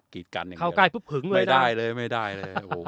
กรีดกันอย่างเดียวเขากลายปุ๊บหึงไม่ได้เลยไม่ได้เลยโอ้โห